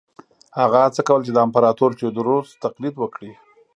هغه هڅه کوله چې د امپراتور تیوودروس تقلید وکړي.